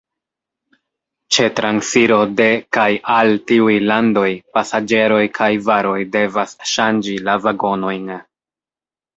Ĉe transiro de kaj al tiuj landoj pasaĝeroj kaj varoj devas ŝanĝi la vagonojn.